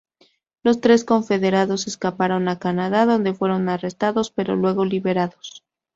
Los tres confederados escaparon a Canadá, donde fueron arrestados, pero luego liberados.